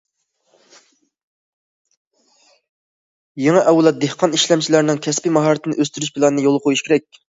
يېڭى ئەۋلاد دېھقان ئىشلەمچىلەرنىڭ كەسپىي ماھارىتىنى ئۆستۈرۈش پىلانىنى يولغا قويۇش كېرەك.